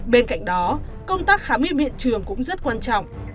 bên cạnh đó công tác khám nghiệm hiện trường cũng rất quan trọng